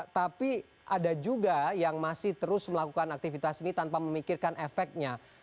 tapi ada juga yang masih terus melakukan aktivitas ini tanpa memikirkan efeknya